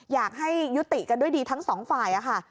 อยากให้ยุติกันด้วยดีทั้งสองฝ่ายค่ะ